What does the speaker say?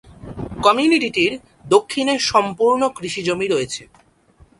কমিউনিটিটির দক্ষিণে সম্পূর্ণ কৃষিজমি রয়েছে।